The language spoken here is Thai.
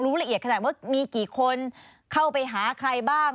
ละเอียดขนาดว่ามีกี่คนเข้าไปหาใครบ้าง